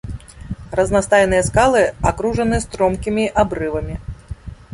Разнастайныя скалы акружаны стромкімі абрывамі.